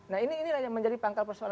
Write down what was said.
nah inilah yang menjadi pangkal persoalan